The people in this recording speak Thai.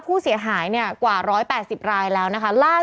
เป็นร้อยล้านเถอะ